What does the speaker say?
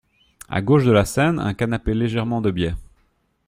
À gauche de la scène, un canapé légèrement de biais.